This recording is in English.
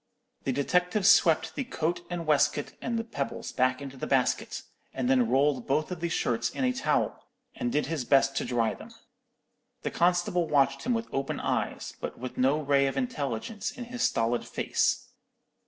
"The detective swept the coat and waistcoat and the pebbles back into the basket, and then rolled both of the shirts in a towel, and did his best to dry them. The constable watched him with open eyes, but with no ray of intelligence in his stolid face.